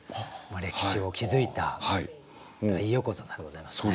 歴史を築いた大横綱でございますね。